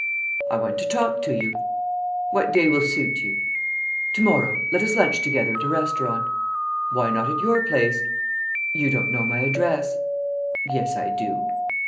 "I want to talk to you." "What day will suit you?" "To morrow. Let us lunch together at a restaurant." "Why not at your place?" "You don't know my address." "Yes, I do."